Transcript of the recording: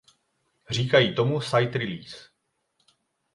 Říkají tomu "site release".